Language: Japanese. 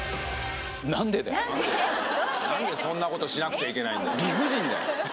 何で何でそんなことしなくちゃいけないんだよ理不尽だよ！